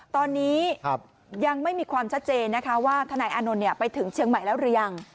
ตอนนี้ยังไม่มีความชัดเจนนะคะว่าทนายอานนท์ไปถึงเชียงใหม่แล้วหรือยัง